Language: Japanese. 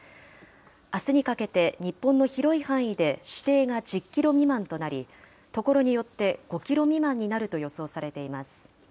あすにかけて日本の広い範囲で視程が１０キロ未満となり、ところによって５キロ未満になると予想されています。